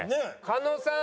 狩野さん